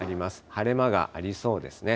晴れ間がありそうですね。